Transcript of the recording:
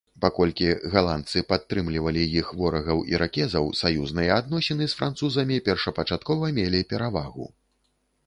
Паколькі галандцы падтрымлівалі іх ворагаў-іракезаў, саюзныя адносіны з французамі першапачаткова мелі перавагу.